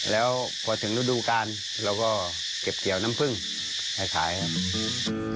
แล้วพอถึงฤดูการเราก็เก็บเกี่ยวน้ำผึ้งให้ขายครับ